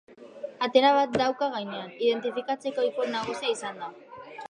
Antena bat dauka gainean, identifikatzeko ikur nagusia izanda.